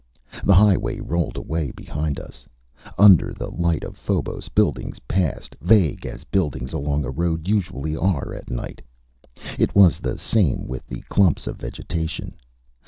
The highway rolled away behind us, under the light of Phobos. Buildings passed, vague as buildings along a road usually are at night. It was the same with the clumps of vegetation.